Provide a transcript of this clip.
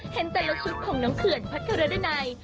เห็นแต่ละชุดของน้องเขื่อนพัดเข้าเรือด้วยใน